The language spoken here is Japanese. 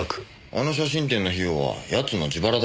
あの写真展の費用は奴の自腹だよ。